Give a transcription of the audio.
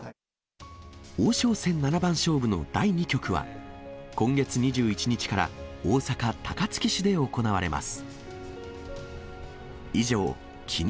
王将戦七番勝負の第２局は、今月２１日から大阪・高槻市で行われます。